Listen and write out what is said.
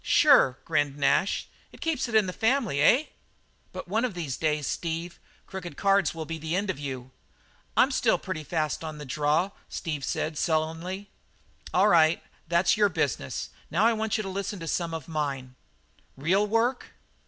"Sure," grinned Nash, "it keeps it in the family, eh?" "But one of these days, Steve, crooked cards will be the end of you." "I'm still pretty fast on the draw," said Steve sullenly. "All right. That's your business. Now I want you to listen to some of mine." "Real work?"